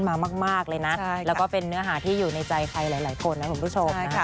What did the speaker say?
มากเลยนะแล้วก็เป็นเนื้อหาที่อยู่ในใจใครหลายคนนะคุณผู้ชมนะคะ